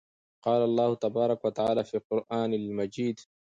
قال الله تبارك وتعالى فى القران المجيد: